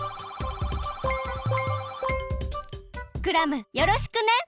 クラムよろしくね！